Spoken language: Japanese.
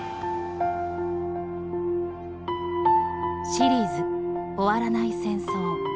シリーズ終わらない戦争。